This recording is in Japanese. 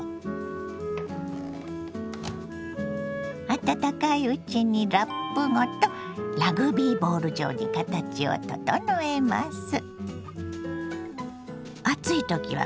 温かいうちにラップごとラグビーボール状に形を整えます。